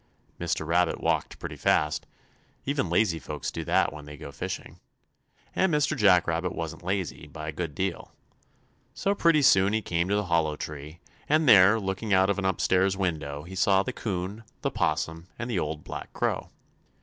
Mr. Rabbit walked pretty fast even lazy folks do that when they go fishing, and Mr. Jack Rabbit wasn't lazy, by a good deal. So pretty soon he came to the Hollow Tree, and there, looking out of an upstairs window, he saw the 'Coon, the 'Possum and the Old Black Crow.